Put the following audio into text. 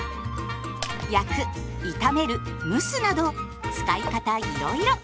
焼く炒める蒸すなど使い方いろいろ。